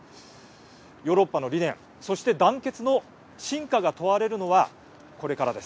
ヨーロッパの理念そして団結の真価が問われるのはこれからです。